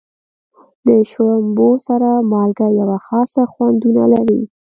د شړومبو سره مالګه یوه خاصه خوندونه لري.